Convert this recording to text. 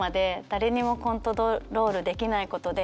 誰にもコントロールできないことで。